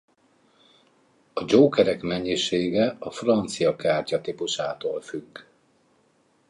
A Jokerek mennyisége a francia kártya típusától függ.